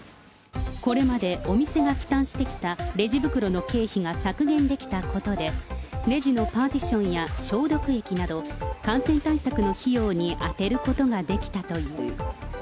これまでお店が負担してきたレジ袋の経費が削減できたことで、レジのパーティションや消毒液など、感染対策の費用に充てることができたという。